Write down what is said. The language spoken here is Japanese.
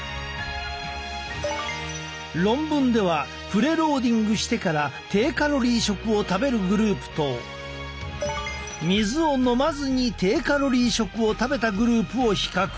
論文ではプレ・ローディングしてから低カロリー食を食べるグループと水を飲まずに低カロリー食を食べたグループを比較。